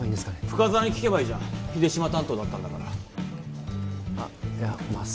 深沢に聞けばいいじゃん秀島担当だったんだからあっいやまあ